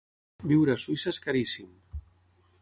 Viure a Suïssa és caríssim.